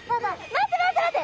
待って待って待って！